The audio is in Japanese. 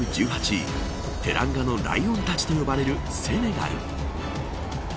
１８位テランガのライオンたちと呼ばれるセネガル。